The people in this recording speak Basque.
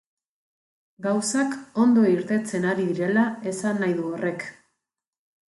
Gauzak ondo irtetzen ari direla esan nahi du horrek.